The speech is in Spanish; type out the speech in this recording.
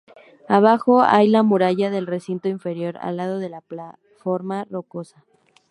Abajo, hay la muralla del recinto inferior, al lado de la plataforma rocosa.